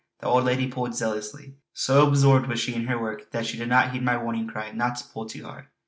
The old lady pulled zealously. So absorbed was she in her work that she did not heed my warning cry not to pull too hard.